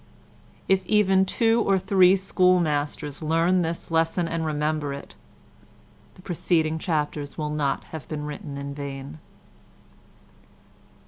If even two or three schoolmasters learn this lesson and remember it, the preceding chapters will not have been written in vain.